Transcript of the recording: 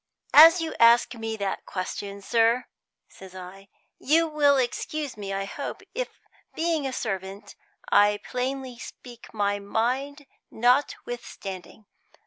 "As you ask me that question, sir," says I, "you will excuse me, I hope, if, being a servant, I plainly speak my mind notwithstanding.